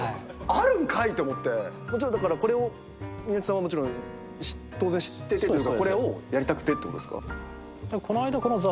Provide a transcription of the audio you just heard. だからこれを宮内さんはもちろん当然知っててというかこれをやりたくてってことですか？